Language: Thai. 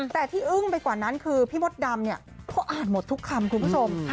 แต่ที่อึ้งไปกว่านั้นคือพี่มดดำเนี่ยเขาอ่านหมดทุกคำคุณผู้ชม